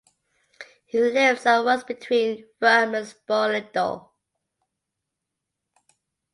He lives and works between Rome and Spoleto.